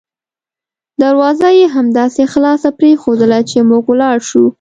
دروازه یې همداسې خلاصه پریښودله چې موږ ولاړ شوو.